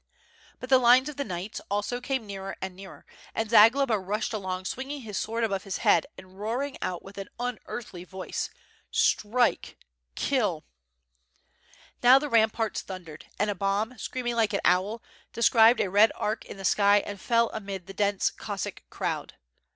But the lines of knights also came nearer and nearer, and Zagloba rushed along swinging his sword above his head and roaring out with an unearthly voice: ^'Strike! kilir Now the ramparts thundered, and a bomb, screaming like an owl, described a red arc in the sky and fell amid the dense Cossack crowd.